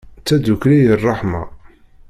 Tadukli i ṛṛeḥma.